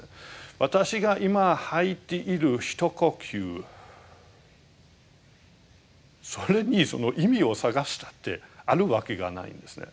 私が今吐いているひと呼吸それに意味を探したってあるわけがないんですね。